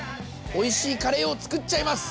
おいしいカレーを作っちゃいます。